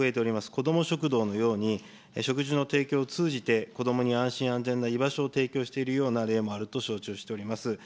こども食堂のように、食事の提供を通じて、こどもに安心安全な居場所を提供しているような例もあると承知をしております。